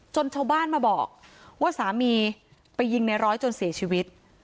ชาวบ้านมาบอกว่าสามีไปยิงในร้อยจนเสียชีวิต